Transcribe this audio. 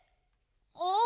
あ。